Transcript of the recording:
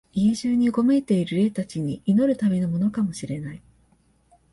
家中にうごめいている霊たちに祈るためのものかも知れない、